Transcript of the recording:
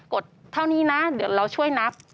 ดเท่านี้นะเดี๋ยวเราช่วยนับ